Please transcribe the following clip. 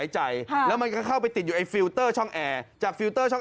จากฟิลเตอร์ช่องแอร์